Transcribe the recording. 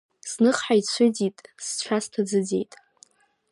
Зных ҳаицәыӡит, сцәа сҭаӡыӡеит…